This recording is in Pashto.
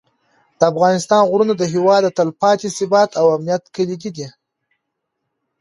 د افغانستان غرونه د هېواد د تلپاتې ثبات او امنیت کلیدي دي.